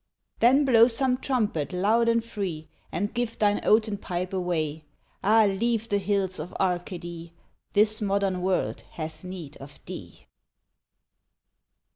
Then blow some trumpet loud and free, And give thine oaten pipe away, Ah, leave the hills of Arcady! This modern world hath need of thee!